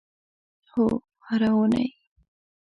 هو، هره اونۍ